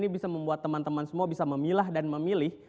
ini bisa membuat teman teman semua bisa memilah dan memilih